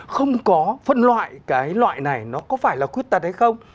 không có phân loại cái loại này nó có phải là khuyết tật hay không